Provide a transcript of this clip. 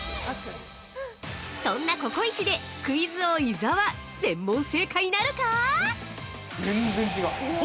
そんなココイチでクイズ王・伊沢、全問正解なるか？